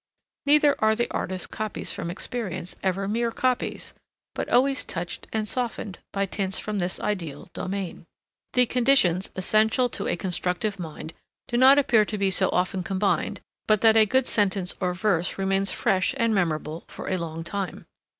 Neither are the artist's copies from experience ever mere copies, but always touched and softened by tints from this ideal domain. The conditions essential to a constructive mind do not appear to be so often combined but that a good sentence or verse remains fresh and memorable for a long time.